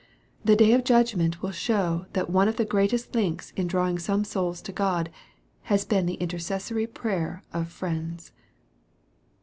The day of judgment will show that one of the greatest links in drawing some souls to God, has been the intercessory prayer of friends.